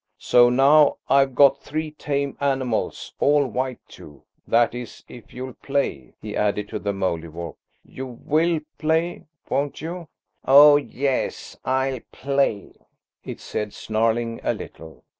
So now I've got three tame animals, all white too, that is, if you'll play," he added to the Mouldiwarp. "You will play, won't you?" "Oh, yes, I'll play!" it said, snarling a little.